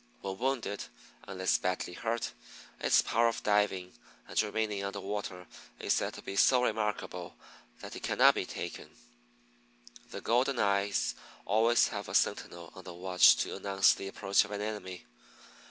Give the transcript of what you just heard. When wounded, unless badly hurt, its power of diving and remaining under water is said to be so remarkable that it cannot be taken. The Golden eyes always have a sentinel on the watch to announce the approach of an enemy.